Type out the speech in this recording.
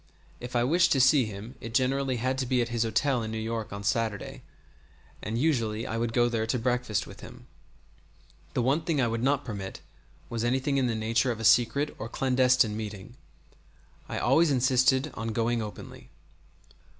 If I wished to see him it generally had to be at his hotel in New York on Saturday, and usually I would go there to breakfast with him. The one thing I would not permit was anything in the nature of a secret or clandestine meeting. I always insisted on going openly.